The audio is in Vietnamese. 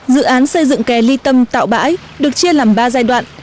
dự án xây dựng kè ly tâm tạo bãi được chia làm ba giai đoạn